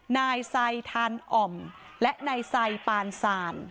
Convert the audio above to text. นายไซทานอ่อมและนายไซปานซาน